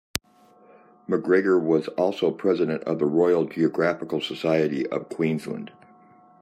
MacGregor was also president of the Royal Geographical Society of Queensland.